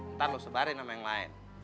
ntar lo sebarin sama yang lain